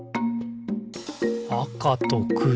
「あかとくろ」